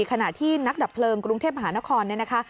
ขณะที่นักดับเพลิงกรุงเทพภาคนคร